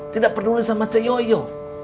tidak peduli sama ce yoyo